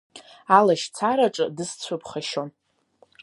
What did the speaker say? Алашьцараҿы дысцәыԥхашьон.